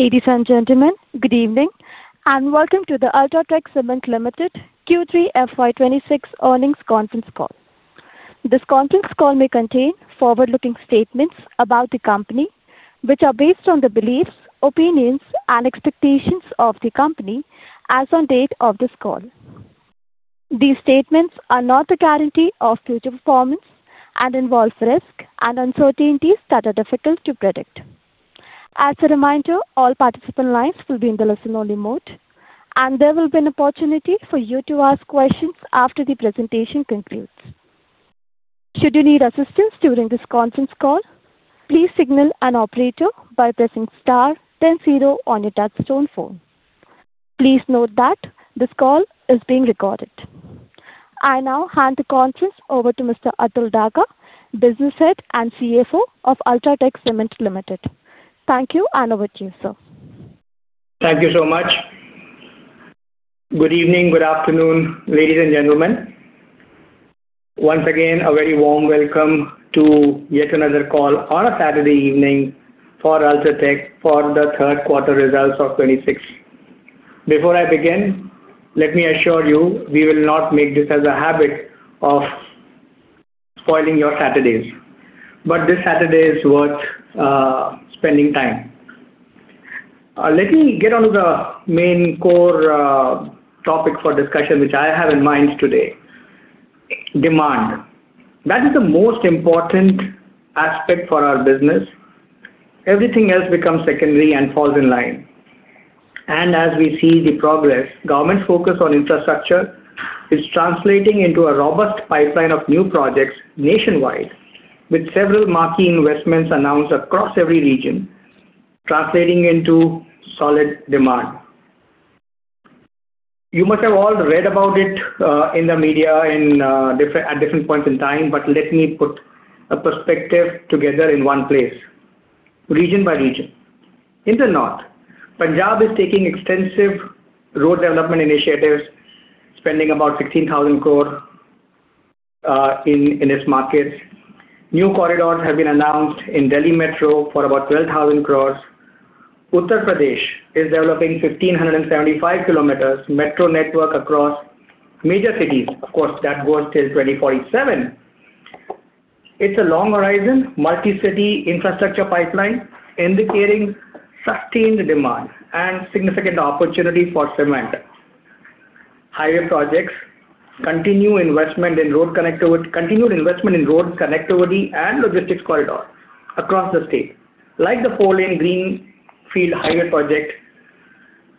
Ladies and gentlemen, good evening and welcome to the UltraTech Cement Limited Q3 FY26 earnings conference call. This conference call may contain forward-looking statements about the company, which are based on the beliefs, opinions, and expectations of the company as of the date of this call. These statements are not a guarantee of future performance and involve risks and uncertainties that are difficult to predict. As a reminder, all participant lines will be in the listen-only mode, and there will be an opportunity for you to ask questions after the presentation concludes. Should you need assistance during this conference call, please signal an operator by pressing star 100 on your touch-tone phone. Please note that this call is being recorded. I now hand the conference over to Mr. Atul Daga, Business Head and CFO of UltraTech Cement Limited. Thank you and over to you, sir. Thank you so much. Good evening, good afternoon, ladies and gentlemen. Once again, a very warm welcome to yet another call on a Saturday evening for UltraTech for the third quarter results of 2026. Before I begin, let me assure you, we will not make this as a habit of spoiling your Saturdays, but this Saturday is worth spending time. Let me get on to the main core topic for discussion, which I have in mind today: demand. That is the most important aspect for our business. Everything else becomes secondary and falls in line. As we see the progress, government's focus on infrastructure is translating into a robust pipeline of new projects nationwide, with several marquee investments announced across every region, translating into solid demand. You must have all read about it in the media at different points in time, but let me put a perspective together in one place: region by region. In the north, Punjab is taking extensive road development initiatives, spending about 16,000 crore in its markets. New corridors have been announced in Delhi Metro for about 12,000 crore. Uttar Pradesh is developing 1,575 km of metro network across major cities. Of course, that goes till 2047. It's a long horizon, multi-city infrastructure pipeline indicating sustained demand and significant opportunity for cement. Highway projects, continued investment in road connectivity, and logistics corridors across the state, like the Four-lane Greenfield Highway project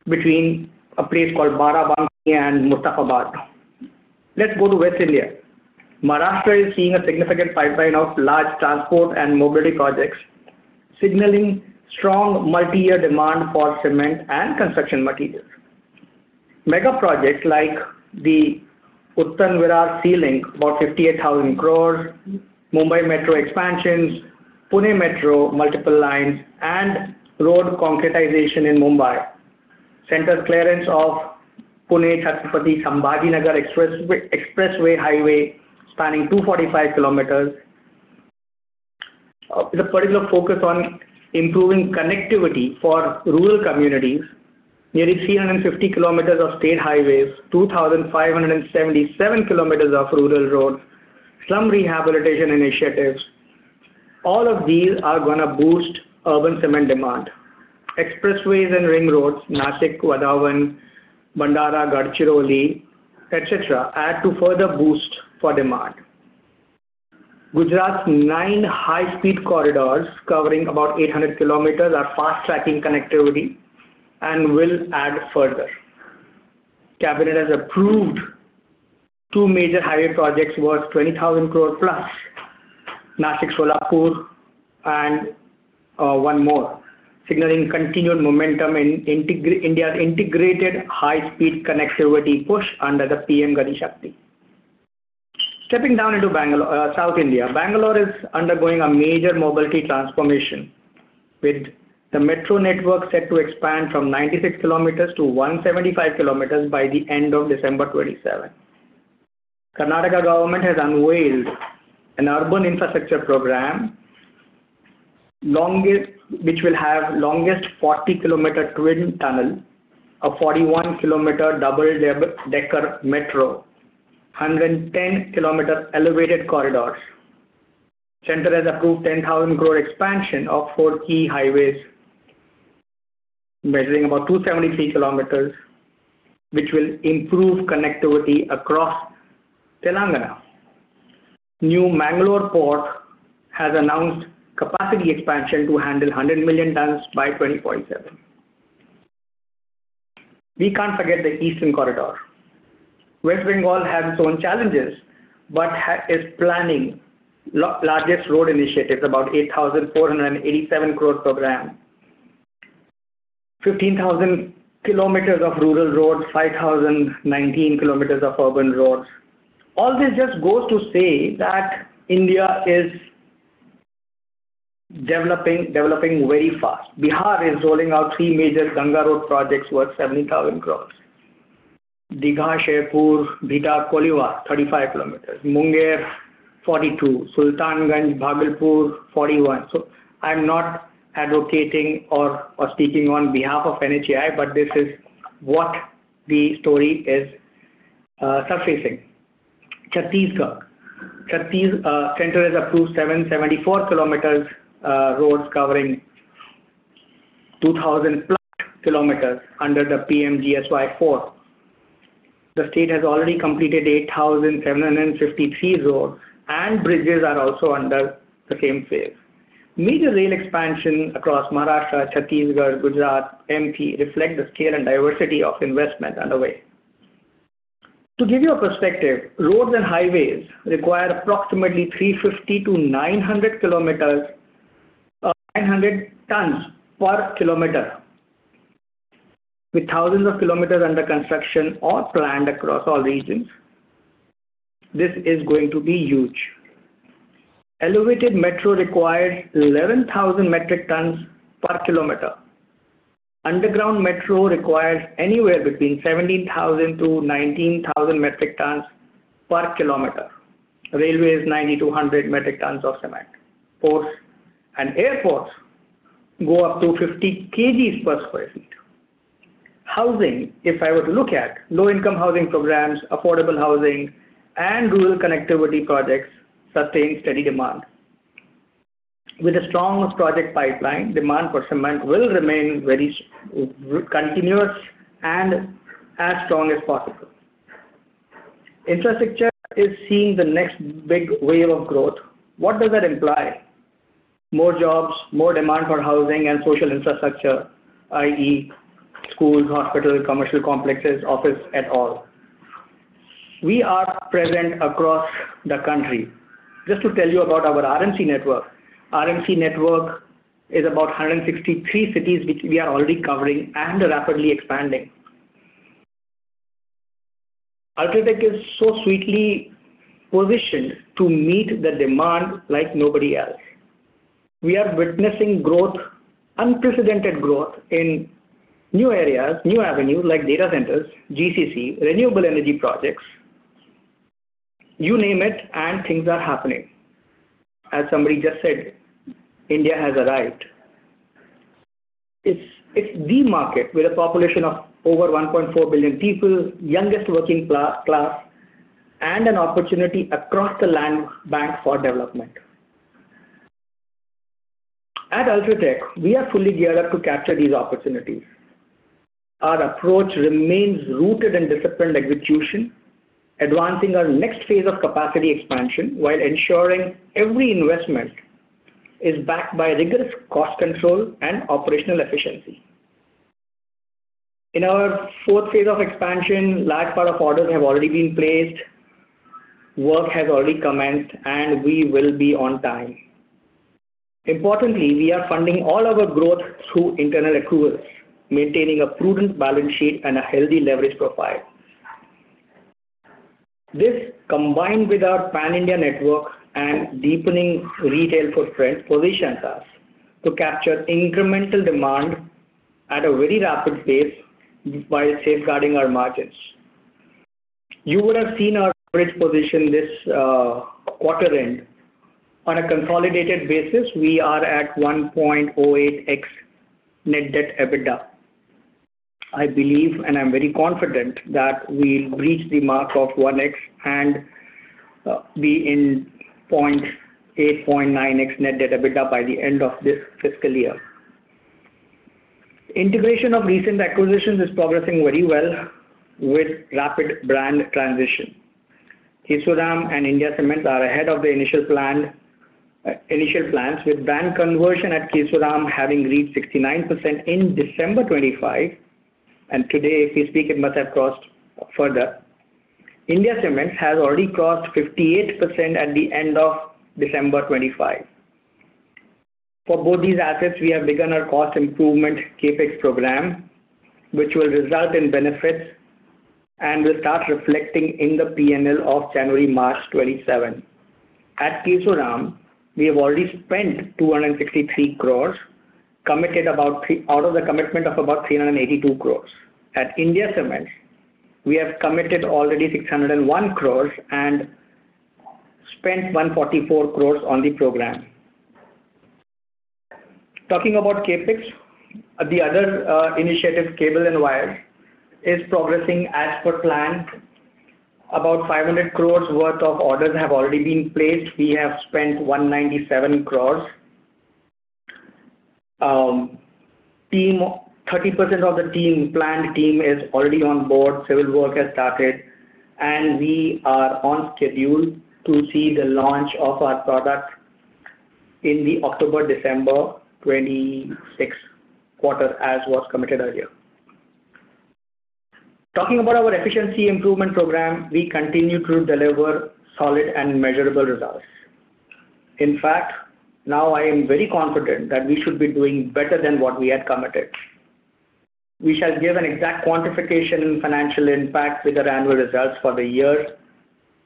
between a place called Barabanki and Mustafabad. Let's go to West India. Maharashtra is seeing a significant pipeline of large transport and mobility projects, signaling strong multi-year demand for cement and construction materials. Mega projects like the Uttan-Virar sea link, about 58,000 crore, Mumbai Metro expansions, Pune Metro multiple lines, and road concretization in Mumbai, central clearance of Pune-Chhatrapati Sambhajinagar Expressway Highway spanning 245 km. It's a particular focus on improving connectivity for rural communities, nearly 350 km of state highways, 2,577 km of rural roads, slum rehabilitation initiatives. All of these are going to boost urban cement demand. Expressways and ring roads, Nashik, Vadhavan, Bhandara, Gadchiroli, etc., add to further boost for demand. Gujarat's nine high-speed corridors covering about 800 km are fast-tracking connectivity and will add further. Cabinet has approved two major highway projects worth 20,000 crore plus, Nashik, Solapur, and one more, signaling continued momentum in India's integrated high-speed connectivity push under the PM Gati Shakti. Stepping down into South India, Bangalore is undergoing a major mobility transformation, with the metro network set to expand from 96 km-to 175 km by the end of December 2027. Karnataka government has unveiled an urban infrastructure program, which will have the longest 40 km twin tunnel, a 41 km double-decker metro, and 110 km elevated corridors. The center has approved a 10,000 crore expansion of four key highways, measuring about 273 km, which will improve connectivity across Telangana. New Mangalore Port has announced capacity expansion to handle 100 million tons by 2047. We can't forget the eastern corridor. West Bengal has its own challenges but is planning the largest road initiative, about 8,487 crore PMGSY, 15,000 km of rural roads, 5,019 km of urban roads. All this just goes to say that India is developing very fast. Bihar is rolling out three major Ganga Road projects worth 70,000 crore: Digha-Sonepur, Bihta-Koilwar 35 km. Munger 42 km. Sultanganj-Bhagalpur 41 km. So I'm not advocating or speaking on behalf of NHAI, but this is what the story is surfacing. Chhattisgarh center has approved 774 km of roads covering 2,000+ km under the PMGSY. The state has already completed 8,753 roads, and bridges are also under the same phase. Major rail expansions across Maharashtra, Chhattisgarh, Gujarat, and MP reflect the scale and diversity of investment underway. To give you a perspective, roads and highways require approximately 350-900 tons/km, with thousands of km under construction or planned across all regions. This is going to be huge. Elevated metro requires 11,000 metric tons/km. Underground metro requires anywhere between 17,000-19,000 metric tons/km. Railway is 9,200 metric tons of cement. Ports and airports go up to 50 kg per sq ft. Housing, if I were to look at low-income housing programs, affordable housing, and rural connectivity projects, sustain steady demand. With a strong project pipeline, demand for cement will remain very continuous and as strong as possible. Infrastructure is seeing the next big wave of growth. What does that imply? More jobs, more demand for housing, and social infrastructure, i.e., schools, hospitals, commercial complexes, offices, etc. We are present across the country. Just to tell you about our RMC network, RMC network is about 163 cities which we are already covering and rapidly expanding. UltraTech is so sweetly positioned to meet the demand like nobody else. We are witnessing growth, unprecedented growth in new areas, new avenues like data centers, GCC, renewable energy projects. You name it, and things are happening. As somebody just said, India has arrived. It's the market with a population of over 1.4 billion people, youngest working class, and an opportunity across the land bank for development. At UltraTech, we are fully geared up to capture these opportunities. Our approach remains rooted in disciplined execution, advancing our next phase of capacity expansion while ensuring every investment is backed by rigorous cost control and operational efficiency. In our fourth phase of expansion, the large part of orders have already been placed, work has already commenced, and we will be on time. Importantly, we are funding all our growth through internal accruals, maintaining a prudent balance sheet and a healthy leverage profile. This, combined with our Pan-India network and deepening retail footprint, positions us to capture incremental demand at a very rapid pace while safeguarding our margins. You would have seen our average position this quarter-end. On a consolidated basis, we are at 1.08x net debt EBITDA. I believe, and I'm very confident, that we'll reach the mark of 1x and be in 0.89x net debt EBITDA by the end of this fiscal year. Integration of recent acquisitions is progressing very well with rapid brand transition. Kesoram and India Cements are ahead of the initial plans, with brand conversion at Kesoram having reached 69% in December 2025. And today, if we speak, it must have crossed further. India Cements has already crossed 58% at the end of December 2025. For both these assets, we have begun our cost improvement CapEx program, which will result in benefits and will start reflecting in the P&L of January-March 2027. At Kesoram, we have already spent 263 crores, committed about out of the commitment of about 382 crores. At The India Cements, we have committed already 601 crores and spent 144 crores on the program. Talking about CapEx, the other initiative, Cable & Wires, is progressing as per plan. About 500 crores' worth of orders have already been placed. We have spent 197 crores. 30% of the planned team is already on board. Civil work has started, and we are on schedule to see the launch of our product in the October-December 2026 quarter, as was committed earlier. Talking about our efficiency improvement program, we continue to deliver solid and measurable results. In fact, now I am very confident that we should be doing better than what we had committed. We shall give an exact quantification and financial impact with our annual results for the year.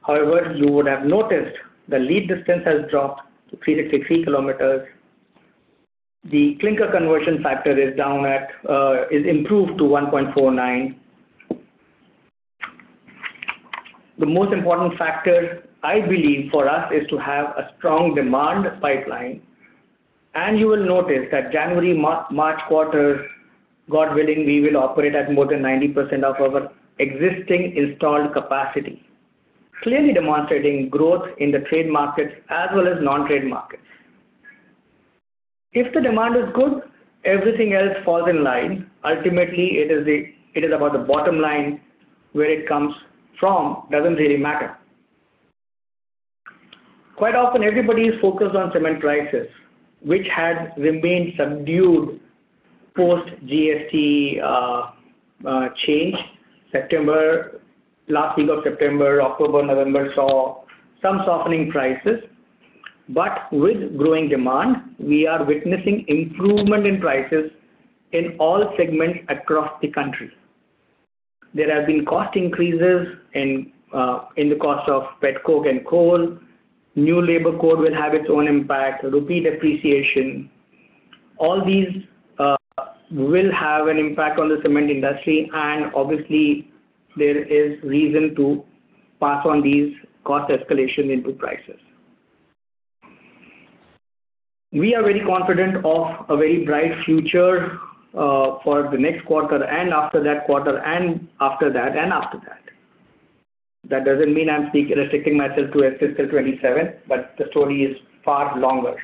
However, you would have noticed the lead distance has dropped to 363 km. The clinker conversion factor is improved to 1.49. The most important factor, I believe, for us is to have a strong demand pipeline. You will notice that January-March quarter, God willing, we will operate at more than 90% of our existing installed capacity, clearly demonstrating growth in the trade markets as well as non-trade markets. If the demand is good, everything else falls in line. Ultimately, it is about the bottom line where it comes from. It doesn't really matter. Quite often, everybody is focused on cement prices, which had remained subdued post-GST change. Last week of September, October, November saw some softening prices. With growing demand, we are witnessing improvement in prices in all segments across the country. There have been cost increases in the cost of petcoke and coal. New labor code will have its own impact, repeat depreciation. All these will have an impact on the cement industry, and obviously, there is reason to pass on these cost escalations into prices. We are very confident of a very bright future for the next quarter and after that quarter and after that and after that. That doesn't mean I'm restricting myself to fiscal 2027, but the story is far longer.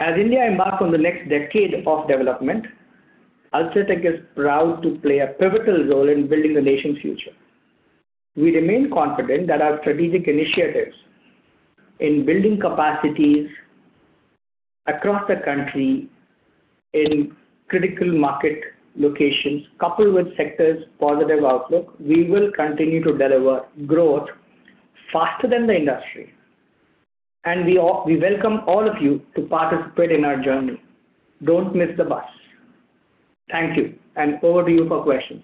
As India embarks on the next decade of development, UltraTech is proud to play a pivotal role in building the nation's future. We remain confident that our strategic initiatives in building capacities across the country in critical market locations, coupled with sector's positive outlook, we will continue to deliver growth faster than the industry. We welcome all of you to participate in our journey. Don't miss the bus. Thank you, and over to you for questions.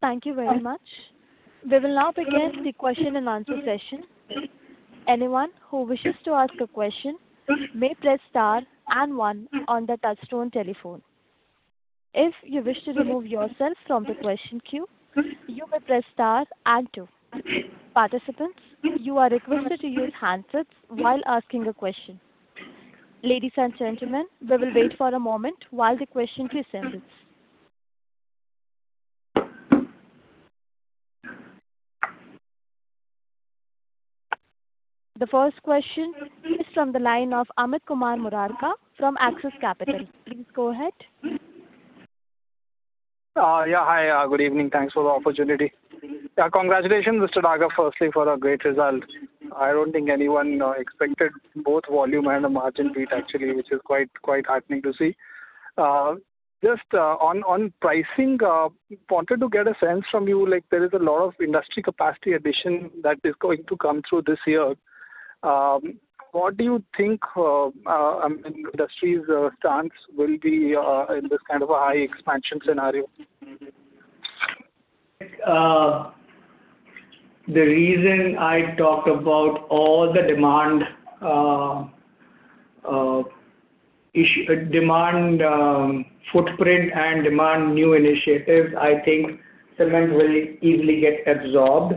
Thank you very much. We will now begin the question and answer session. Anyone who wishes to ask a question may press star and one on the touch-tone telephone. If you wish to remove yourself from the question queue, you may press star and two. Participants, you are requested to use handsets while asking a question. Ladies and gentlemen, we will wait for a moment while the question queue forms. The first question is from the line of Amit Murarka from Axis Capital. Please go ahead. Yeah, hi. Good evening. Thanks for the opportunity. Congratulations, Mr. Daga, firstly, for a great result. I don't think anyone expected both volume and a margin beat, actually, which is quite heartening to see. Just on pricing, wanted to get a sense from you. There is a lot of industry capacity addition that is going to come through this year. What do you think, I mean, industry's stance will be in this kind of a high expansion scenario? The reason I talked about all the demand footprint and demand new initiatives, I think cement will easily get absorbed.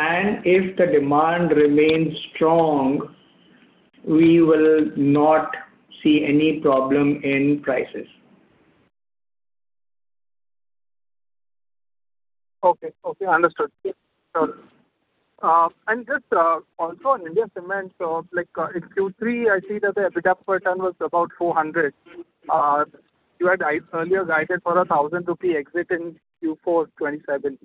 If the demand remains strong, we will not see any problem in prices. Okay. Okay. Understood. Just also, on India Cements, so in Q3, I see that the EBITDA per ton was about 400. You had earlier guided for a 1,000 rupee exit in Q4 2027.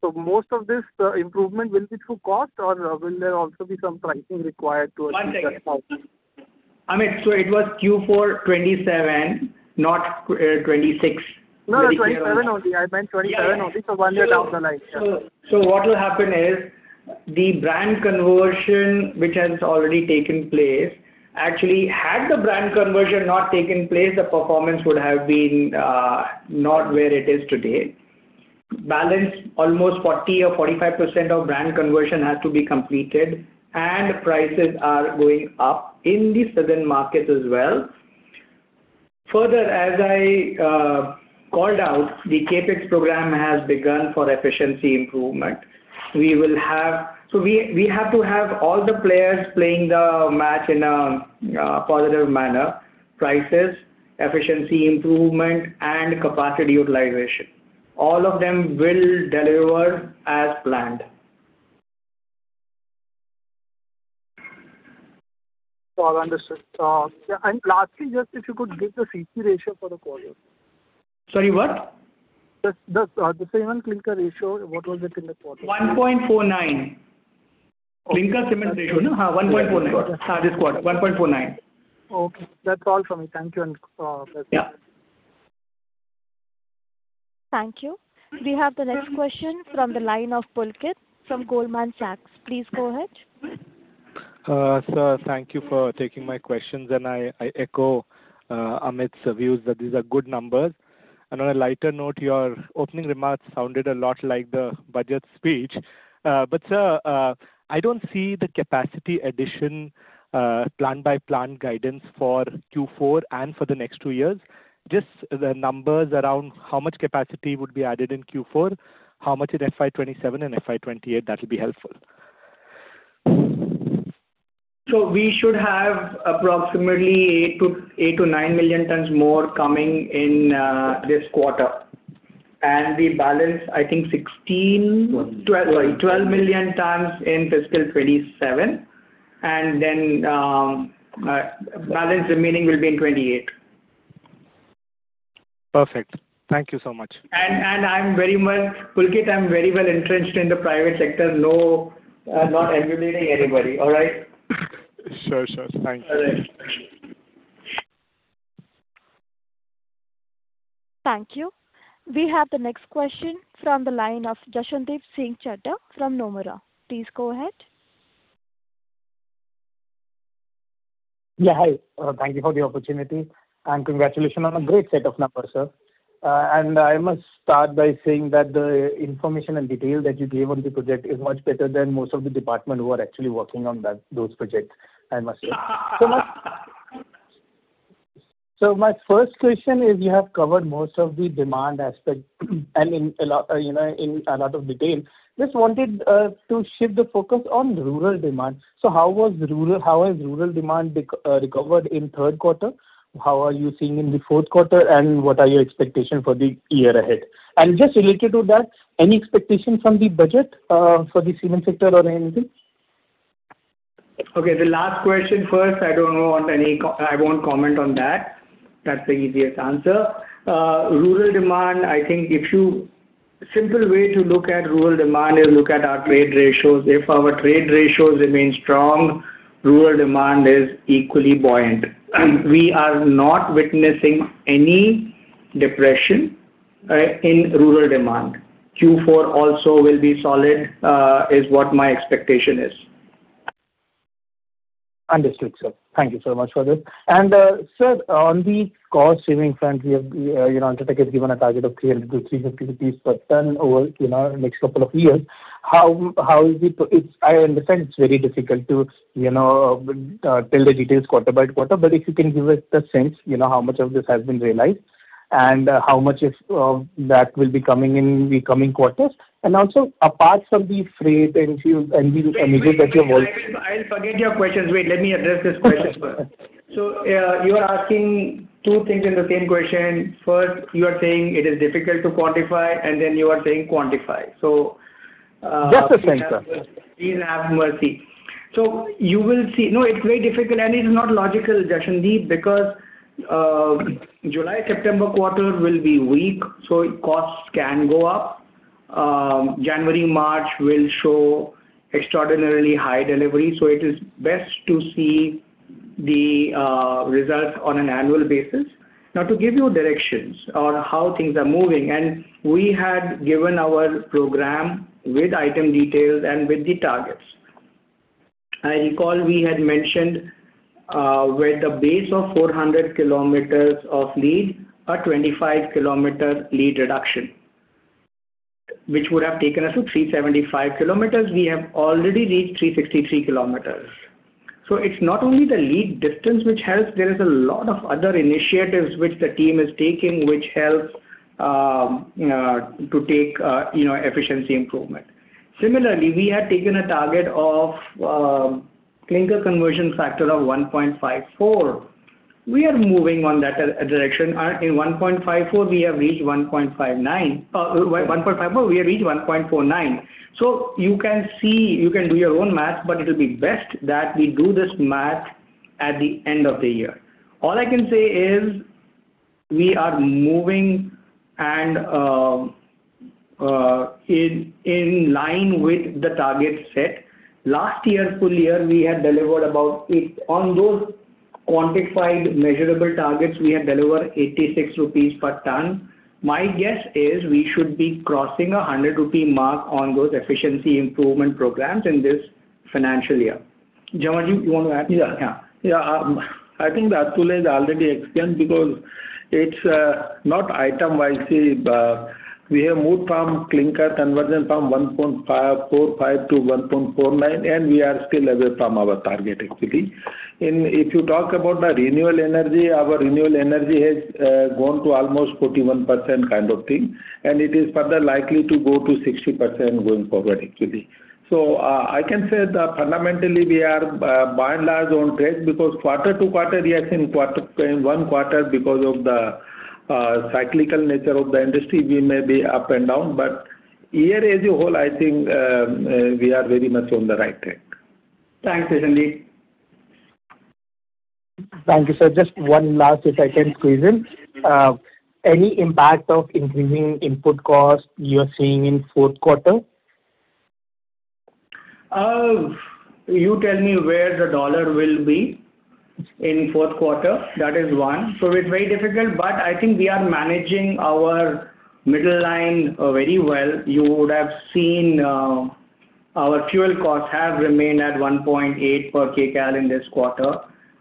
So most of this improvement will be through cost, or will there also be some pricing required to achieve that goal? One second. Amit, so it was Q4 2027, not 2026. No, 2027 only. I meant 2027 only. So one year down the line. So what will happen is the brand conversion, which has already taken place, actually, had the brand conversion not taken place, the performance would have been not where it is today. Balance almost 40% or 45% of brand conversion has to be completed, and prices are going up in the southern markets as well. Further, as I called out, the CapEx program has begun for efficiency improvement. So we have to have all the players playing the match in a positive manner: prices, efficiency improvement, and capacity utilization. All of them will deliver as planned. All understood. Lastly, just if you could give the CC ratio for the quarter. Sorry, what? The cement clinker ratio, what was it in the quarter? 1.49. Clinker cement ratio, no? Ha, 1.49. This quarter, 1.49. Okay. That's all from me. Thank you, Amit. Yeah. Thank you. We have the next question from the line of Pulkit from Goldman Sachs. Please go ahead. Sir, thank you for taking my questions. I echo Amit's views that these are good numbers. On a lighter note, your opening remarks sounded a lot like the budget speech. Sir, I don't see the capacity addition plan by plan guidance for Q4 and for the next two years. Just the numbers around how much capacity would be added in Q4, how much in FY 2027 and FY 2028, that will be helpful. We should have approximately 8-9 million tons more coming in this quarter. We balance, I think, 16, sorry, 12 million tons in fiscal 2027. Then balance remaining will be in 2028. Perfect. Thank you so much. Pulkit, I'm very well entrenched in the private sector. Not emulating anybody. All right? Sure, sure. Thanks. Thank you. We have the next question from the line of Jashandeep Singh from Nomura. Please go ahead. Yeah, hi. Thank you for the opportunity. Congratulations on a great set of numbers, sir. I must start by saying that the information and detail that you gave on the project is much better than most of the department who are actually working on those projects, I must say. My first question is, you have covered most of the demand aspect in a lot of detail. Just wanted to shift the focus on rural demand. So how has rural demand recovered in third quarter? How are you seeing in the fourth quarter? And what are your expectations for the year ahead? Just related to that, any expectation from the budget for the cement sector or anything? Okay. The last question first. I won't comment on that. That's the easiest answer. Rural demand, I think if a simple way to look at rural demand is look at our trade ratios. If our trade ratios remain strong, rural demand is equally buoyant. We are not witnessing any depression in rural demand. Q4 also will be solid is what my expectation is. Understood, sir. Thank you so much for that. Sir, on the cost saving front, UltraTech has given a target of 300-350 rupees per ton over the next couple of years. How is it? I understand it's very difficult to tell the details quarter by quarter, but if you can give us the sense how much of this has been realized and how much of that will be coming in the coming quarters. Also, apart from the freight and fuel and diesel that you've already. I'll forget your questions. Wait, let me address this question first. So you are asking two things in the same question. First, you are saying it is difficult to quantify, and then you are saying quantify. So. Just a second, sir. Please have mercy. So you will see, no, it's very difficult. It's not logical, Jashandeep, because July-September quarter will be weak, so costs can go up. January, March will show extraordinarily high delivery. So it is best to see the results on an annual basis. Now, to give you directions on how things are moving, and we had given our program with item details and with the targets. I recall we had mentioned with the base of 400 km of lead, a 25-km lead reduction, which would have taken us to 375 km. We have already reached 363 km. So it's not only the lead distance which helps. There is a lot of other initiatives which the team is taking which help to take efficiency improvement. Similarly, we had taken a target of clinker conversion factor of 1.54. We are moving on that direction. In 1.54, we have reached 1.59. 1.54, we have reached 1.49. So you can see you can do your own math, but it will be best that we do this math at the end of the year. All I can say is we are moving in line with the target set. Last year, full year, we had delivered about on those quantified measurable targets, we had delivered 86 rupees per ton. My guess is we should be crossing a 100 rupee mark on those efficiency improvement programs in this financial year. Jamanjeep, you want to add? Yeah. Yeah. I think the Atul has already explained because it's not item-wise. We have moved from clinker conversion from 1.45-1.49, and we are still away from our target, actually. If you talk about the renewable energy, our renewable energy has gone to almost 41% kind of thing. And it is further likely to go to 60% going forward, actually. So I can say that fundamentally, we are by and large on track because quarter to quarter, yes, in one quarter, because of the cyclical nature of the industry, we may be up and down. But year as a whole, I think we are very much on the right track. Thanks, Jashandeep. Thank you, sir. Just one last, if I can squeeze in, any impact of increasing input cost you are seeing in fourth quarter? You tell me where the dollar will be in fourth quarter. That is one. So it's very difficult, but I think we are managing our middle line very well. You would have seen our fuel costs have remained at 1.8 per kcal in this quarter.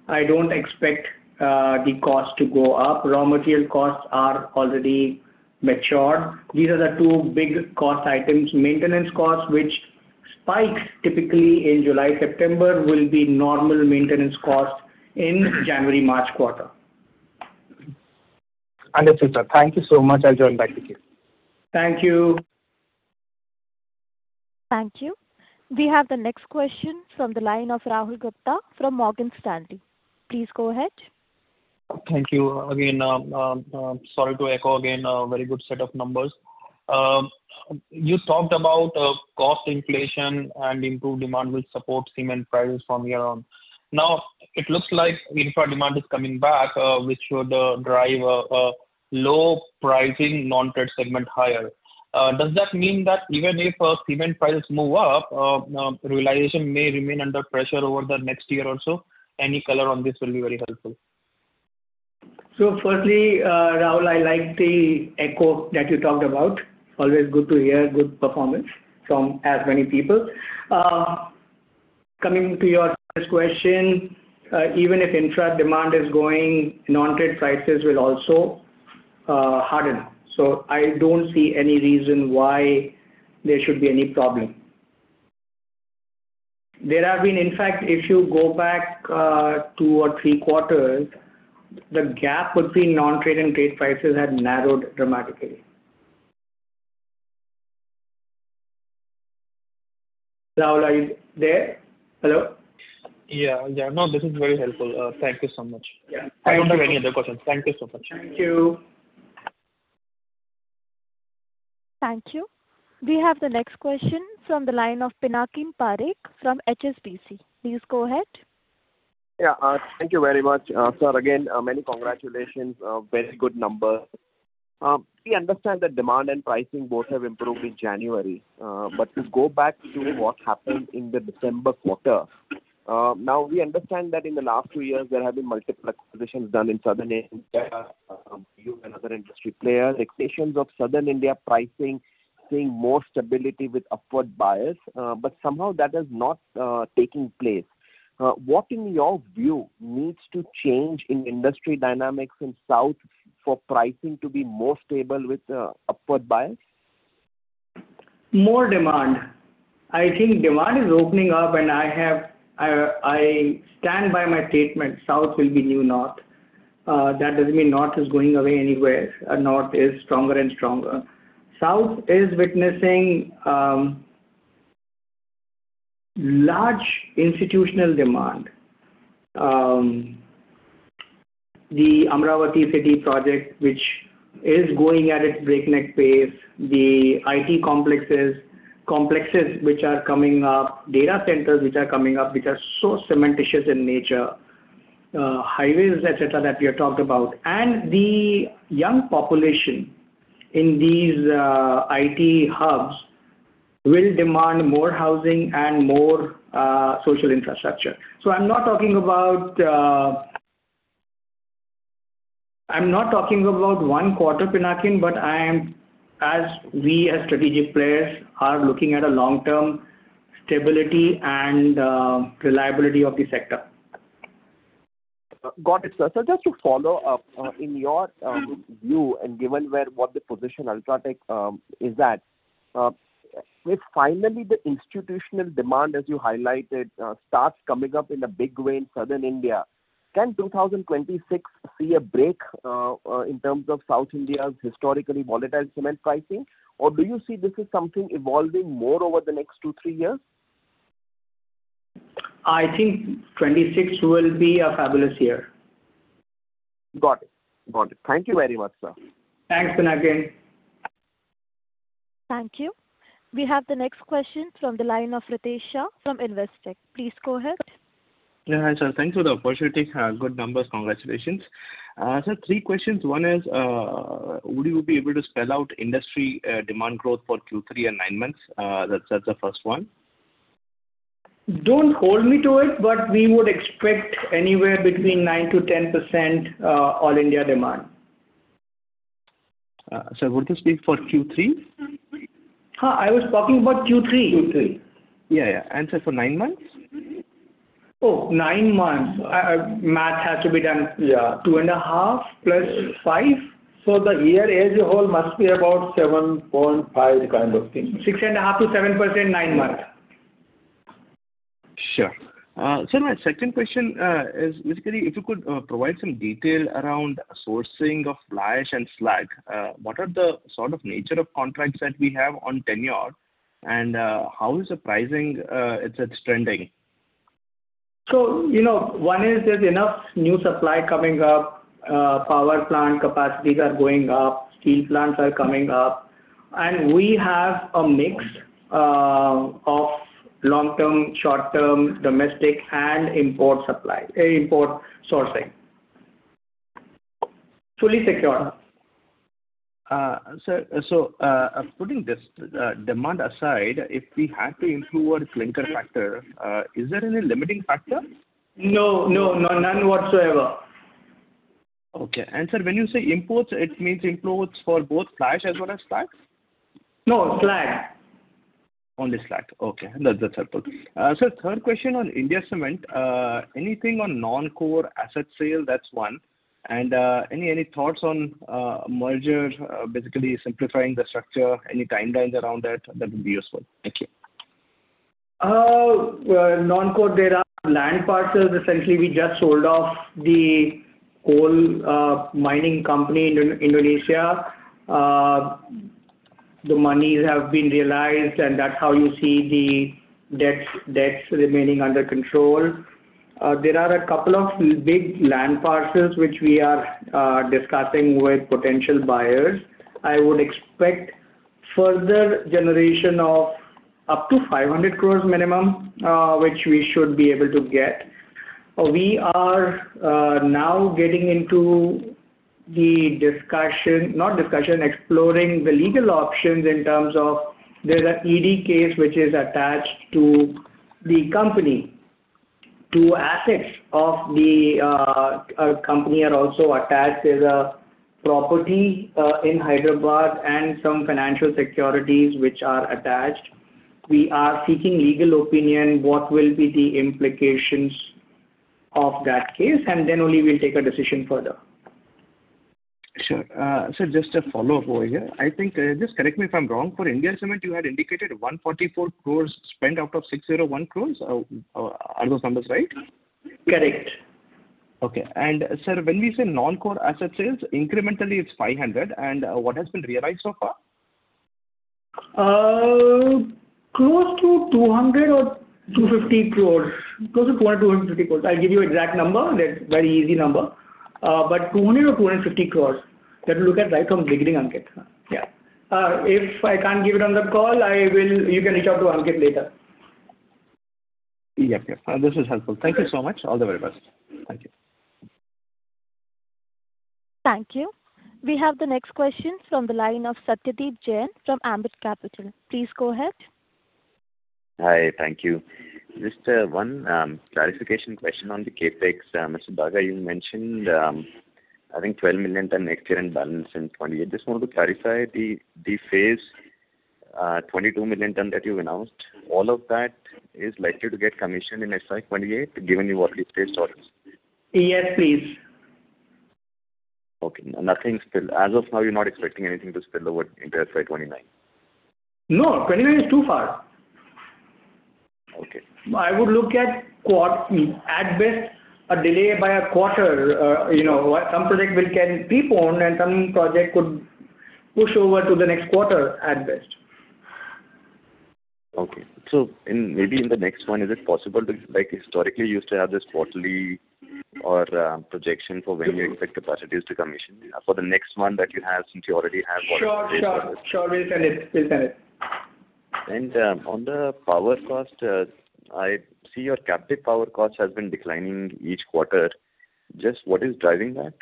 I don't expect the cost to go up. Raw material costs are already matured. These are the two big cost items. Maintenance costs, which spiked typically in July-September, will be normal maintenance costs in January-March quarter. Understood, sir. Thank you so much. I'll join back again. Thank you. Thank you. We have the next question from the line of Rahul Gupta from Morgan Stanley. Please go ahead. Thank you. Again, sorry to echo again a very good set of numbers. You talked about cost inflation and improved demand will support cement prices from here on. Now, it looks like infra demand is coming back, which should drive a low-pricing non-trade segment higher. Does that mean that even if cement prices move up, realization may remain under pressure over the next year or so? Any color on this will be very helpful? So firstly, Rahul, I like the echo that you talked about. Always good to hear good performance from as many people. Coming to your first question, even if infra demand is going, non-trade prices will also harden. So I don't see any reason why there should be any problem. There have been, in fact, if you go back two or three quarters, the gap between non-trade and trade prices had narrowed dramatically. Rahul, are you there? Hello? Yeah. Yeah. No, this is very helpful. Thank you so much. Yeah. I don't have any other questions. Thank you so much. Thank you. Thank you. We have the next question from the line of Pinakin Parekh from HSBC. Please go ahead. Yeah. Thank you very much, sir. Again, many congratulations. Very good numbers. We understand that demand and pricing both have improved in January. But to go back to what happened in the December quarter, now we understand that in the last two years, there have been multiple acquisitions done in South India from you and other industry players. Expectations of South India pricing seeing more stability with upward bias, but somehow that is not taking place. What, in your view, needs to change in industry dynamics in South for pricing to be more stable with upward bias? More demand. I think demand is opening up, and I stand by my statement, South will be new North. That doesn't mean North is going away anywhere. North is stronger and stronger. South is witnessing large institutional demand. The Amravati City project, which is going at its breakneck pace, the IT complexes which are coming up, data centers which are coming up, which are so cementitious in nature, highways, etc., that we have talked about. And the young population in these IT hubs will demand more housing and more social infrastructure. So I'm not talking about one quarter Pinakin, but as we, as strategic players, are looking at a long-term stability and reliability of the sector. Got it, sir. So just to follow up, in your view, and given what the position UltraTech is at, if finally the institutional demand, as you highlighted, starts coming up in a big way in Southern India, can 2026 see a break in terms of South India's historically volatile cement pricing? Or do you see this as something evolving more over the next two, three years? I think 2026 will be a fabulous year. Got it. Got it. Thank you very much, sir. Thanks, Pinakim. Thank you. We have the next question from the line of Ritesh. From Investec. Please go ahead. Yeah. Hi, sir. Thanks for the opportunity. Good numbers. Congratulations. Sir, three questions. One is, would you be able to spell out industry demand growth for Q3 and nine months? That's the first one. Don't hold me to it, but we would expect anywhere between 9%-10% all-India demand. Sir, would you speak for Q3? I was talking about Q3. Q3. Yeah, yeah. And sir, for nine months? Oh, 9 months. Math has to be done. Yeah. 2.5+ 5 for the year as a whole must be about 7.5 kind of thing. 6.5%-7%, 9 months. Sure. Sir, my second question is, basically, if you could provide some detail around sourcing of fly ash and slag. What are the sort of nature of contracts that we have on tenure? And how is the pricing? It's trending. So one is there's enough new supply coming up. Power plant capacities are going up. Steel plants are coming up. And we have a mix of long-term, short-term, domestic and import sourcing. Fully secured. Sir, so putting this demand aside, if we had to improve our clinker factor, is there any limiting factor? No. No. None whatsoever. Okay. And sir, when you say imports, it means imports for both fly ash as well as slag? No. Slag. Only slag. Okay. That's helpful. Sir, third question on India Cements. Anything on non-core asset sale? That's one. And any thoughts on merger, basically simplifying the structure, any timelines around that? That would be useful. Thank you. Non-core assets. Land parcels. Essentially, we just sold off the coal mining company in Indonesia. The monies have been realized, and that's how you see the debts remaining under control. There are a couple of big land parcels which we are discussing with potential buyers. I would expect further generation of up to 500 crore minimum, which we should be able to get. We are now exploring the legal options in terms of there's an ED case which is attached to the company. Two assets of the company are also attached. There's a property in Hyderabad and some financial securities which are attached. We are seeking legal opinion what will be the implications of that case, and then only we'll take a decision further. Sure. Sir, just a follow-up over here. I think just correct me if I'm wrong. For India Cements, you had indicated 144 crore spent out of 601 crore. Are those numbers right? Correct. Okay. Sir, when we say non-core asset sales, incrementally, it's 500. What has been realized so far? Close to 200-250 crore. Close to 200-250 crore. I'll give you an exact number. That's a very easy number. But 200-250 crore. That will look at right from the beginning, Ankit. Yeah. If I can't give it on the call, you can reach out to Ankit later. Yes. Yes. This is helpful. Thank you so much. All the very best. Thank you. Thank you. We have the next question from the line of Satyadeep Jain from Ambit Capital. Please go ahead. Hi. Thank you. Just one clarification question on the CapEx. Mr. Daga, you mentioned, I think, 12 million ton capacity balance in 2028. Just want to clarify the phase II, 2 million ton that you announced. All of that is likely to get commissioned in FY 2028, given you already placed orders? Yes, please. Okay. Nothing spilled. As of now, you're not expecting anything to spill over into FY 2029? No, 2029 is too far. Okay. I would look at best a delay by a quarter. Some project will get preponed, and some project could push over to the next quarter at best. Okay. So maybe in the next one, is it possible? Historically you used to have this quarterly projection for when you expect capacities to commission? For the next one that you have, since you already have volatility in the process. Sure. Sure. Sure. We'll send it. We'll send it. On the power cost, I see your captive power cost has been declining each quarter. Just what is driving that?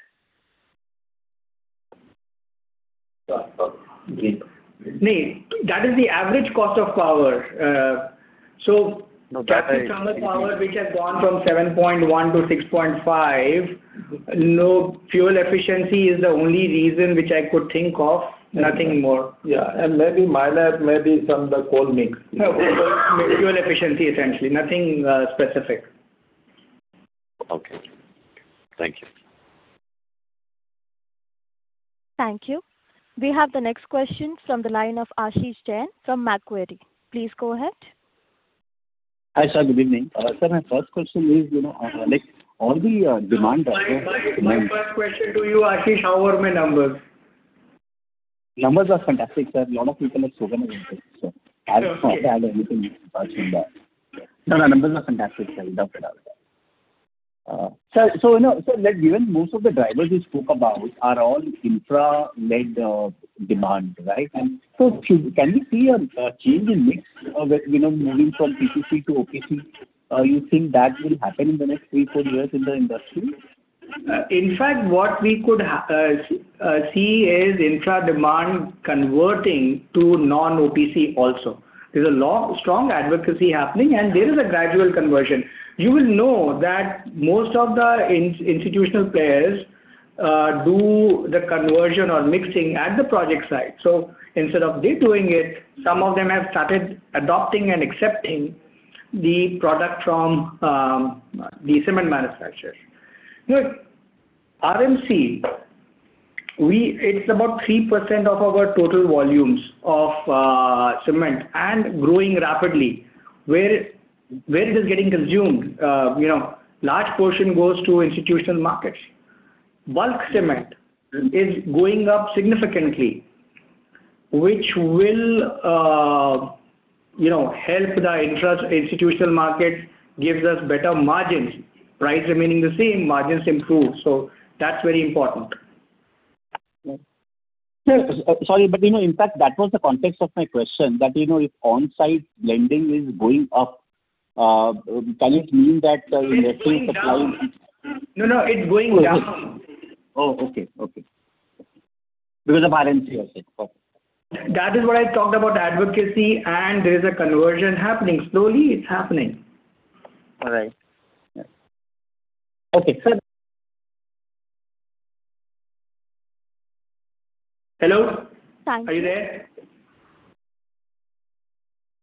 Sorry. Sorry. Please. That is the average cost of power. So captive thermal power, which has gone from 7.1-6.5. No, fuel efficiency is the only reason which I could think of. Nothing more. Yeah. And maybe minor, maybe some of the coal mix. Fuel efficiency, essentially. Nothing specific. Okay. Thank you. Thank you. We have the next question from the line of Ashish Jain from Macquarie. Please go ahead. Hi, sir. Good evening. Sir, my first question is, all the demand numbers. My first question to you, Ashish, how are my numbers? Numbers are fantastic, sir. A lot of people have spoken about this. I'll add everything in regards to that. No, the numbers are fantastic, sir. Without a doubt. Sir, so given most of the drivers you spoke about are all infra-led demand, right? So can we see a change in mix moving from PPC to OPC? You think that will happen in the next 3-4 years in the industry? In fact, what we could see is infra demand converting to non-OPC also. There's a strong advocacy happening, and there is a gradual conversion. You will know that most of the institutional players do the conversion or mixing at the project site. So instead of they doing it, some of them have started adopting and accepting the product from the cement manufacturers. RMC, it's about 3% of our total volumes of cement and growing rapidly. Where it is getting consumed, a large portion goes to institutional markets. Bulk cement is going up significantly, which will help the institutional market, gives us better margins. Price remaining the same, margins improved. So that's very important. Sir, sorry, but in fact, that was the context of my question. That, if on-site blending is going up, can it mean that the RMC supply? No, no. It's going down. Oh, okay. Okay. Because of RMC, I said. Okay. That is what I talked about, advocacy, and there is a conversion happening. Slowly, it's happening. All right. Okay. Sir. Hello? Thank you. Are you there?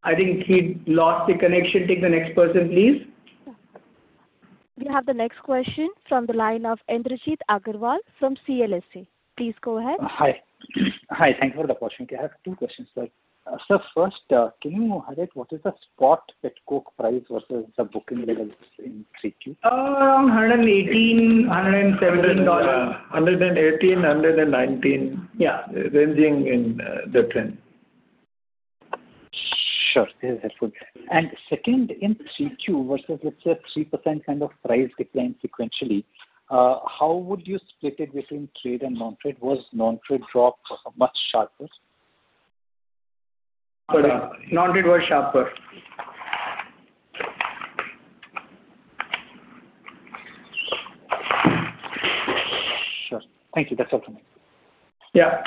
I think he lost the connection. Take the next person, please. We have the next question from the line of Indrajit Agarwal from CLSA. Please go ahead. Hi. Hi. Thank you for the question. I have two questions, sir. Sir, first, can you highlight what is the spot petcoke price versus the booking levels in 3Q? Around $118, $117. $118, $119. Yeah. Ranging in the trend. Sure. This is helpful. And second, in 3Q versus let's say 3% kind of price decline sequentially, how would you split it between trade and non-trade? Was non-trade drop much sharper? Non-trade was sharper. Sure. Thank you. That's helpful. Yeah.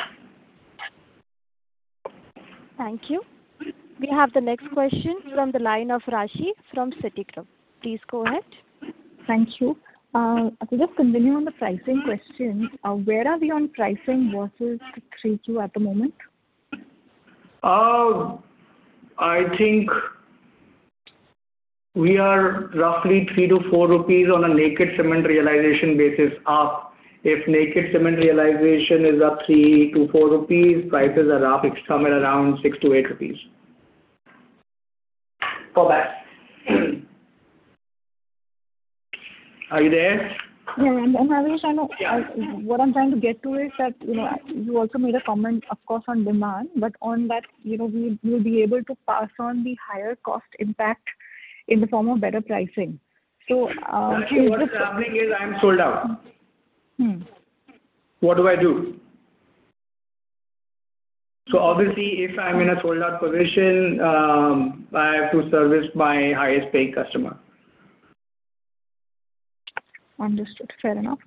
Thank you. We have the next question from the line of Rajeev from Citigroup. Please go ahead. Thank you. To just continue on the pricing question, where are we on pricing versus 3Q at the moment? I think we are roughly 3-4 rupees on a net cement realization basis up. If net cement realization is up 3-4 rupees, prices are up ex-mill around 6-8 rupees. Go back. Are you there? Yeah. And I'm sorry. What I'm trying to get to is that you also made a comment, of course, on demand, but on that, we will be able to pass on the higher cost impact in the form of better pricing. So. What I'm having is I'm sold out. What do I do? So obviously, if I'm in a sold-out position, I have to service my highest-paid customer. Understood. Fair enough.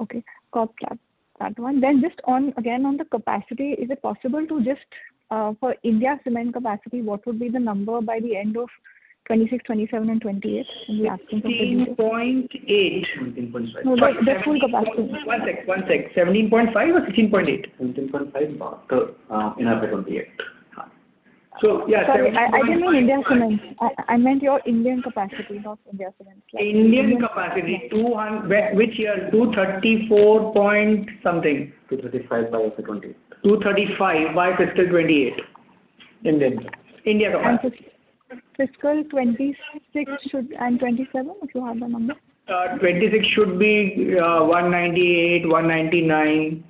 Okay. Got that one. Then just again on the capacity, is it possible to just for India Cements capacity, what would be the number by the end of 2026, 2027, and 2028? I'm asking from the beginning. 17.8. 17.5. Sorry. The full capacity. One sec. One sec. 17.5 or 16.8? 17.5 in our 2028. So yeah. Sorry. I didn't mean India Cements. I meant your Indian capacity, not India Cements. Indian capacity. Which year? 234 point something. 235 by 28. 235 by fiscal 2028. Indian. India capacity. Fiscal 2026 and 2027, if you have the number. 2026 should be 198, 199,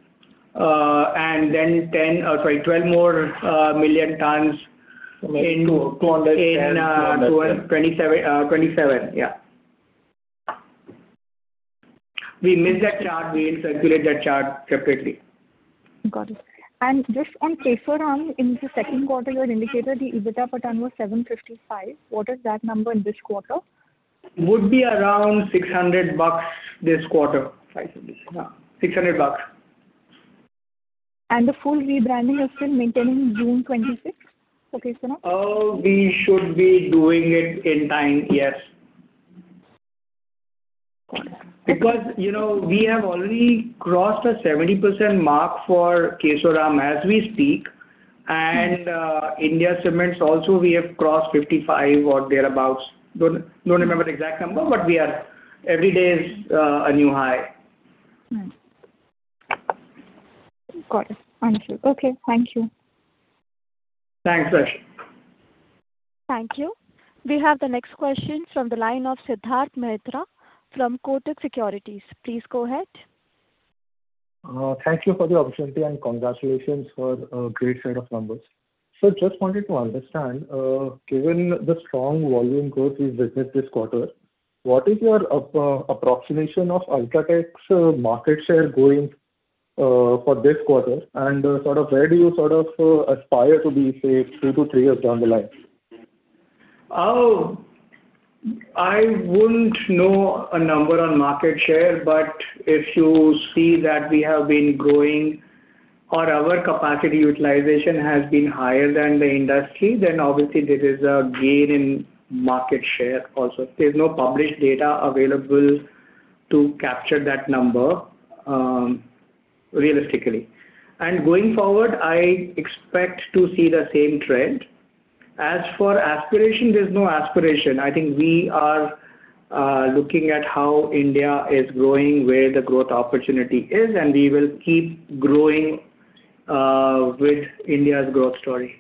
and then 10 sorry, 12 more million tons in. 200. 27. Yeah. We missed that chart. We didn't calculate that chart separately. Got it. Just on paper, in the second quarter, you had indicated the EBITDA per ton was 755. What is that number in this quarter? Would be around INR 600 this quarter. 555. 600 bucks. The full rebranding is still maintaining June 26? Okay. Now. We should be doing it in time. Yes. Because we have already crossed the 70% mark for Kesoram as we speak. And India Cements also, we have crossed 55 or thereabouts. Don't remember the exact number, but every day is a new high. Got it. Thank you. Okay. Thank you. Thanks, Ash. Thank you. We have the next question from the line of Siddharth Mehta from Kotak Securities. Please go ahead. Thank you for the opportunity and congratulations for a great set of numbers. Sir, just wanted to understand, given the strong volume growth we've witnessed this quarter, what is your approximation of UltraTech's market share going for this quarter? And sort of where do you sort of aspire to be say two to three years down the line? I wouldn't know a number on market share, but if you see that we have been growing or our capacity utilization has been higher than the industry, then obviously there is a gain in market share also. There's no published data available to capture that number realistically. Going forward, I expect to see the same trend. As for aspiration, there's no aspiration. I think we are looking at how India is growing, where the growth opportunity is, and we will keep growing with India's growth story.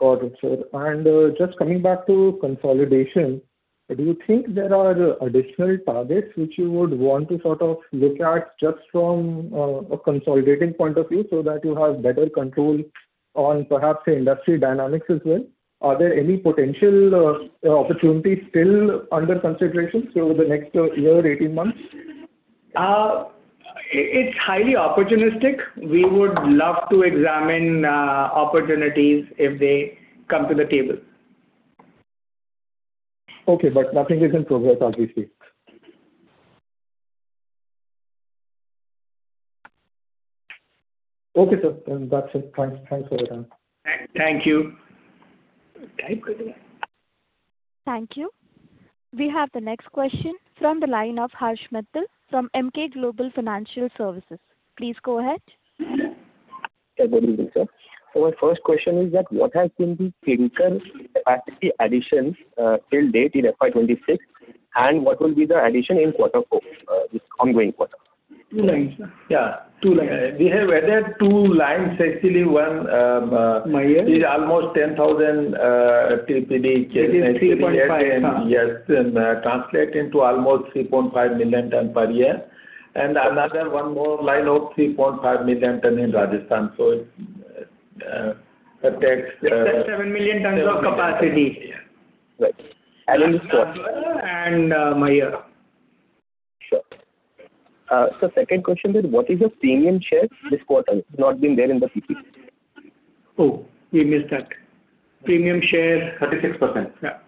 Got it, sir. Just coming back to consolidation, do you think there are additional targets which you would want to sort of look at just from a consolidating point of view so that you have better control on perhaps the industry dynamics as well? Are there any potential opportunities still under consideration for the next year, 18 months? It's highly opportunistic. We would love to examine opportunities if they come to the table. Okay. But nothing is in progress, obviously. Okay, sir. Then that's it. Thanks for your time. Thank you. Thank you. We have the next question from the line of Harsh Mittal from Emkay Global Financial Services. Please go ahead. Good evening, sir. My first question is that what has been the clinker capacity additions till date in FY2026, and what will be the addition in quarter four, this ongoing quarter? Yeah. We have added 2 lines, actually. 1. Maihar. Is almost 10,000 TPD trains. It is 3.5. Yes. Translate into almost 3.5 million tons per year. And another one more line of 3.5 million tons in Rajasthan. So it affects. It's 7 million tons of capacity. Right. And. Maihar. Sure. Sir, second question is, what is your premium share this quarter? Not been there in the PPC. Oh, we missed that. Premium share. 36%. Yeah.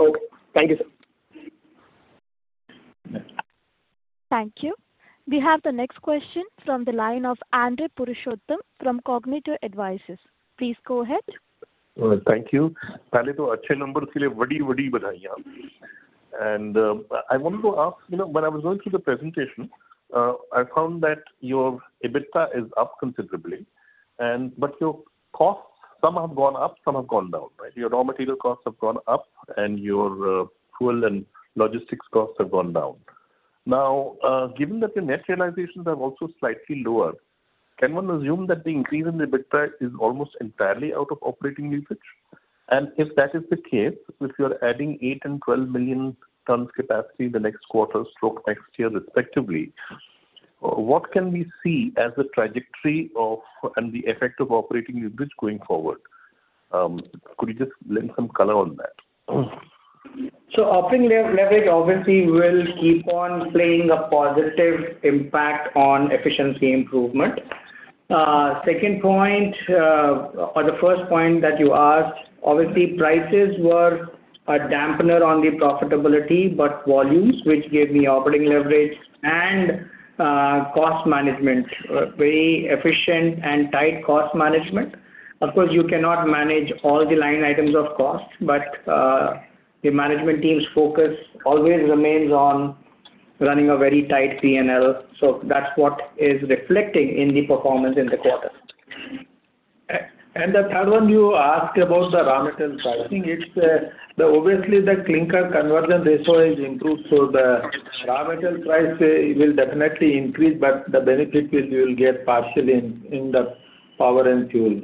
Okay. Thank you, sir. Thank you. We have the next question from the line of Andre Purushottam from Cognitive Advisors. Please go ahead. Thank you. पहले तो अच्छे number के लिए बड़ी-बड़ी बधाइयां। And I wanted to ask, when I was going through the presentation, I found that your EBITDA is up considerably, but your costs some have gone up, some have gone down, right? Your raw material costs have gone up, and your fuel and logistics costs have gone down. Now, given that your net realizations are also slightly lower, can one assume that the increase in EBITDA is almost entirely out of operating usage? And if that is the case, if you're adding 8 and 12 million tons capacity the next quarter stroke next year respectively, what can we see as the trajectory of and the effect of operating usage going forward? Could you just lend some color on that? So operating leverage, obviously, will keep on playing a positive impact on efficiency improvement. Second point, or the first point that you asked, obviously, prices were a dampener on the profitability, but volumes, which gave me operating leverage and cost management, very efficient and tight cost management. Of course, you cannot manage all the line items of cost, but the management team's focus always remains on running a very tight P&L. So that's what is reflecting in the performance in the quarter. And the third one you asked about the raw material pricing, it's obviously the clinker conversion ratio is improved, so the raw material price will definitely increase, but the benefit you will get partially in the power and fuel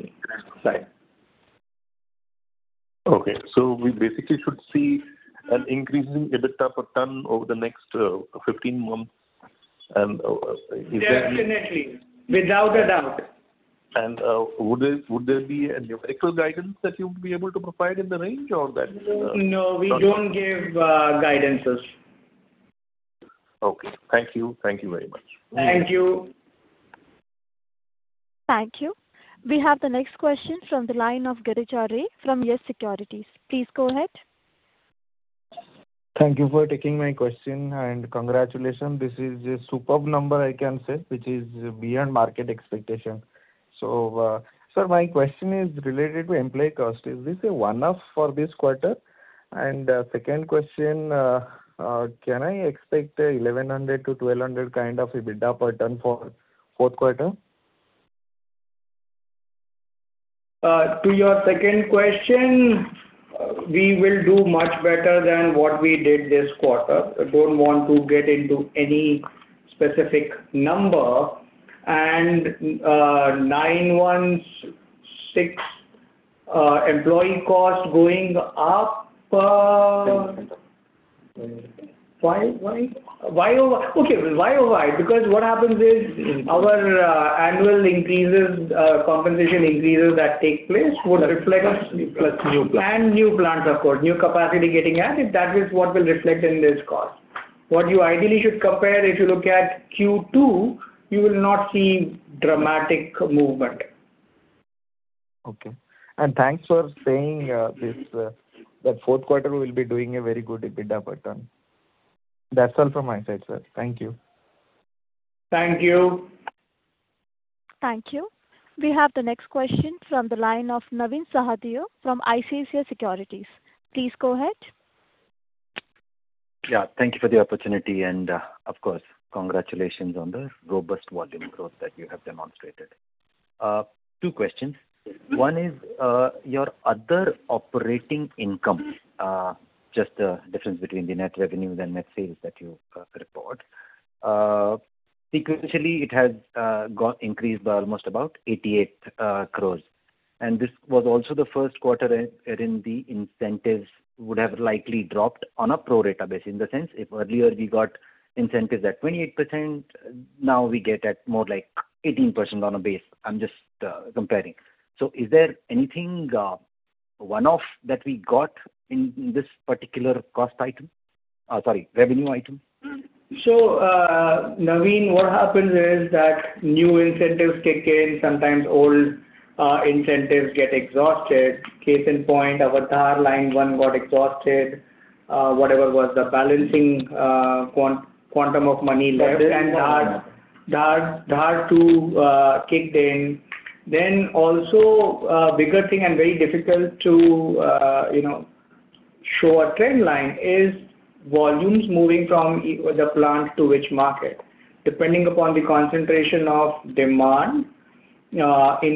side. Okay. So we basically should see an increase in EBITDA per ton over the next 15 months. And is that? Definitely. Without a doubt. Would there be a numerical guidance that you would be able to provide in the range or that? No. We don't give guidances. Okay. Thank you. Thank you very much. Thank you. Thank you. We have the next question from the line of Girish Choudhary from YES SECURITIES. Please go ahead. Thank you for taking my question. Congratulations. This is a superb number, I can say, which is beyond market expectation. Sir, my question is related to employee cost. Is this a one-off for this quarter? And second question, can I expect 1,100-1,200 kind of EBITDA per ton for fourth quarter? To your second question, we will do much better than what we did this quarter. Don't want to get into any specific number. 9% employee cost going up. 10% up. Why? Okay. Why or why? Because what happens is our annual increases, compensation increases that take place would reflect. New plants. New plants, of course. New capacity getting added. That is what will reflect in this cost. What you ideally should compare, if you look at Q2, you will not see dramatic movement. Okay. Thanks for saying that fourth quarter we will be doing a very good EBITDA per ton. That's all from my side, sir. Thank you. Thank you. Thank you. We have the next question from the line of Navin Sahadeo from ICICI Securities. Please go ahead. Yeah. Thank you for the opportunity. And of course, congratulations on the robust volume growth that you have demonstrated. Two questions. One is your other operating income, just the difference between the net revenue and net sales that you report. Sequentially, it has increased by almost about 88 crore. And this was also the first quarter in the incentives would have likely dropped on a pro rata basis. In the sense, if earlier we got incentives at 28%, now we get at more like 18% on a base. I'm just comparing. So is there anything one-off that we got in this particular cost item? Sorry, revenue item? So Navin, what happens is that new incentives kick in. Sometimes old incentives get exhausted. Case in point, our Dhar line one got exhausted. Whatever was the balancing quantum of money left and Dhar two kicked in. Then also a bigger thing and very difficult to show a trend line is volumes moving from the plant to which market. Depending upon the concentration of demand in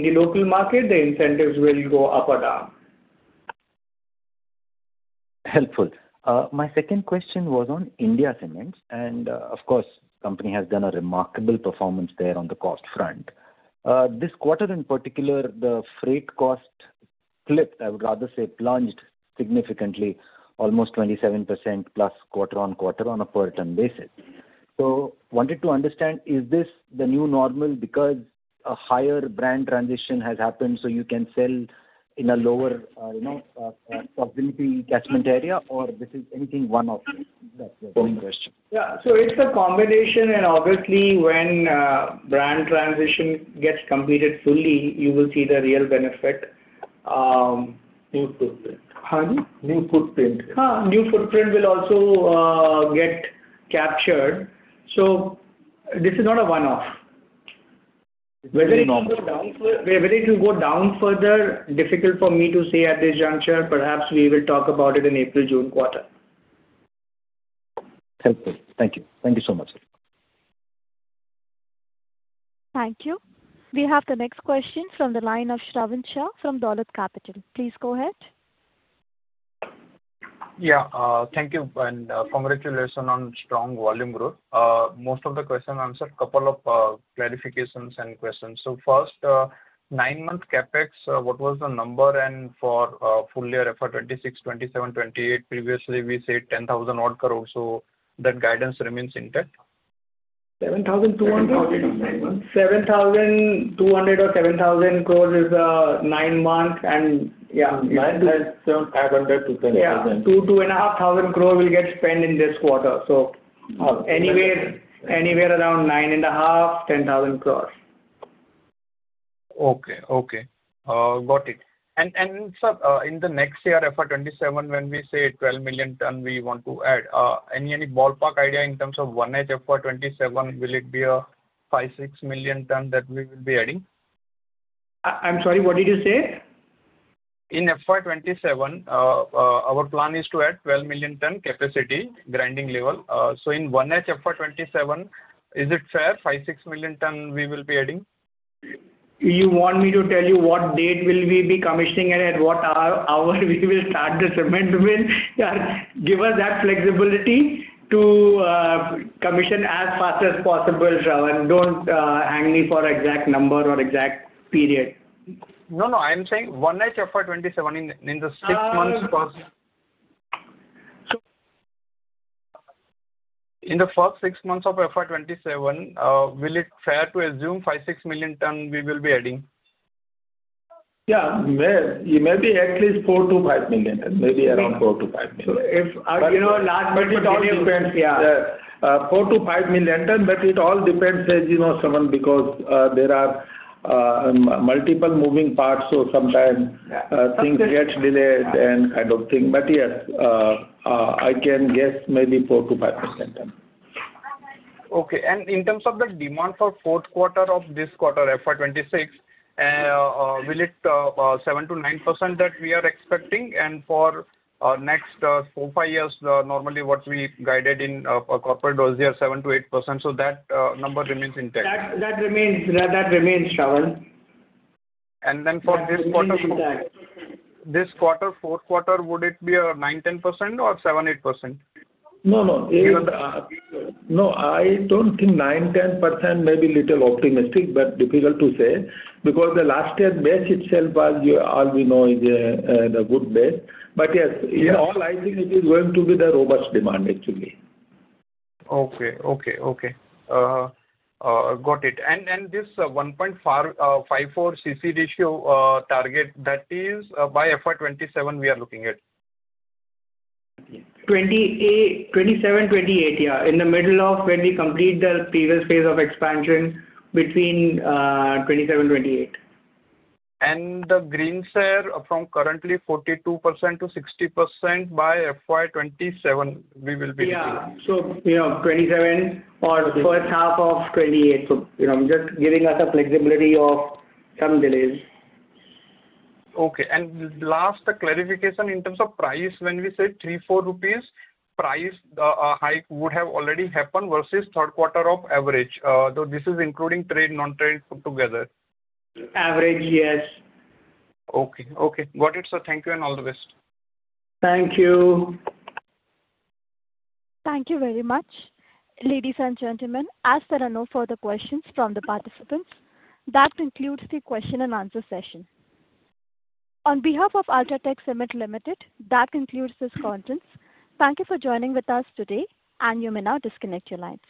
the local market, the incentives will go up or down. Helpful. My second question was on India Cements. Of course, the company has done a remarkable performance there on the cost front. This quarter in particular, the freight cost clipped, I would rather say plunged significantly, almost 27% plus quarter-on-quarter on a per ton basis. So wanted to understand, is this the new normal because a higher brand transition has happened so you can sell in a lower proximity catchment area, or this is anything one-off? That's the main question. Yeah. So it's a combination. And obviously, when brand transition gets completed fully, you will see the real benefit. New footprint. Huh? New footprint. Huh? New footprint will also get captured. So this is not a one-off. Normal. Whether it will go down further, difficult for me to say at this juncture. Perhaps we will talk about it in April, June quarter. Helpful. Thank you. Thank you so much, sir. Thank you. We have the next question from the line of Shravan Shah from Dolat Capital. Please go ahead. Yeah. Thank you. Congratulations on strong volume growth. Most of the questions answered. Couple of clarifications and questions. First, nine-month CapEx, what was the number? And for full year FY 2026, 2027, 2028, previously we said 10,000-odd crore. That guidance remains intact? 7,200? 7,200 crores or 7,000 crores is a nine-month. And yeah. 9,500-10,000. Yeah. 2,000-2,500 crore will get spent in this quarter. So anywhere around 9,500-10,000 crore. Okay. Okay. Got it. Sir, in the next year, FY 27, when we say 12 million tons we want to add, any ballpark idea in terms of 1H FY 27, will it be 5-6 million tons that we will be adding? I'm sorry. What did you say? In FY 27, our plan is to add 12 million tons capacity grinding level. So in 1H FY 27, is it fair? 5 million-6 million tons we will be adding? You want me to tell you what date will we be commissioning and at what hour we will start the cement? Give us that flexibility to commission as fast as possible, Shravan. Don't hang me for exact number or exact period. No, no. I'm saying 1H FY 2027 in the six months first. So in the first six months of FY 2027, will it be fair to assume 5 million-6 million tons we will be adding? Yeah. It may be at least 4-5 million. Maybe around 4-5 million. So if. It all depends. Yeah. 4 million-5 million ton, but it all depends, as you know, Shravan, because there are multiple moving parts. So sometimes things get delayed and kind of thing. But yes, I can guess maybe 4 million-5 million ton. Okay. In terms of the demand for fourth quarter of this quarter, FY 2026, will it be 7%-9% that we are expecting? For next 4-5 years, normally what we guided in corporate was here 7%-8%. That number remains intact. That remains, Shravan. And then for this quarter. It remains intact. This quarter, fourth quarter, would it be 9%-10% or 7%-8%? No, no. Even the. No, I don't think 9%-10% may be a little optimistic, but difficult to say because the last year's base itself was, as we know, is a good base. But yes, in all, I think it is going to be the robust demand, actually. Got it. And this 1.54 CC ratio target, that is by FY 2027, we are looking at? 2027, 2028. Yeah. In the middle of when we complete the previous phase of expansion between 2027, 2028. The green share from currently 42%-60% by FY 2027, we will be looking at. Yeah. So yeah, 2027 or first half of 2028. So just giving us a flexibility of some delays. Okay. And last clarification in terms of price, when we said 3-4 rupees, price hike would have already happened versus third quarter of average, though this is including trade non-trade put together. Average, yes. Okay. Okay. Got it, sir. Thank you and all the best. Thank you. Thank you very much. Ladies and gentlemen, as there are no further questions from the participants, that concludes the question and answer session. On behalf of UltraTech Cement Limited, that concludes this conference. Thank you for joining with us today, and you may now disconnect your lines.